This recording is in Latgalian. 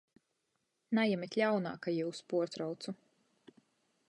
Najemit ļaunā, ka jius puortraucu!